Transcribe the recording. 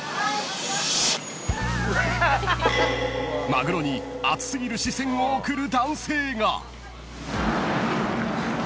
［マグロに熱過ぎる視線を送る男性が］